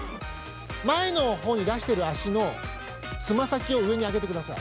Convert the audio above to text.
前のほうに出してる足のつま先を上に上げてください。